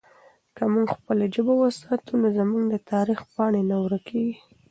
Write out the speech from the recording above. که موږ خپله ژبه وساتو نو زموږ د تاریخ پاڼې نه ورکېږي.